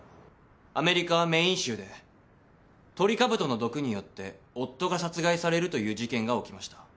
アメリカメイン州でトリカブトの毒によって夫が殺害されるという事件が起きました。